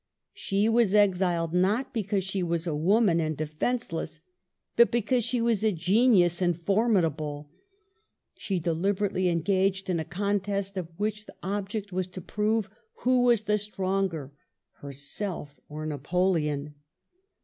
She was exiled not because she was a woman and defenceless, but because she was a genius and formidable. She deliberately engaged in a con test of which the object was to prove who was the stronger — herself or Napoleon.